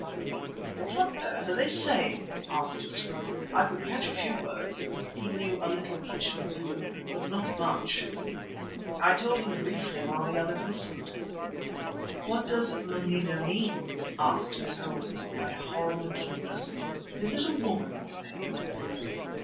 "What on earth are they saying?" asked Scroope. "I could catch a few words"—he knew a little kitchen Zulu—"but not much." I told him briefly while the others listened. "What does Mameena mean?" asked Miss Holmes, with a horrible acuteness. "Is it a woman's name?"